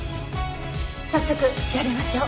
早速調べましょう。